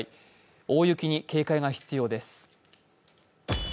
大雪に警戒が必要です。